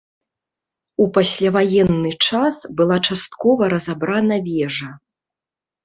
У пасляваенны час была часткова разабрана вежа.